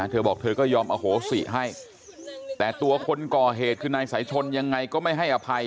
เธอบอกเธอก็ยอมอโหสิให้แต่ตัวคนก่อเหตุคือนายสายชนยังไงก็ไม่ให้อภัย